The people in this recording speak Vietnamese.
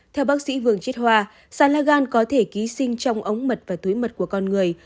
theo bác sĩ vương chết hoa sán la gan có thể ký sinh trong ống mật và túi mật của con người